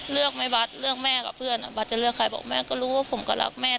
เลือกไหมบัตรเลือกแม่กับเพื่อนบาทจะเลือกใครบอกแม่ก็รู้ว่าผมก็รักแม่